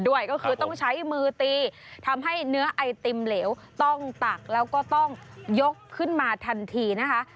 ด้วยก็คือต้องใช้มือตีทำให้เนื้อไอติมเหลวต้องตักแล้วก็ต้องยกขึ้นมาทันทีนะคะ